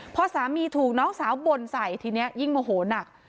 พอสามีถูกน้องสาวบ่นใส่ทีนี้ยิ่งโมโหนัก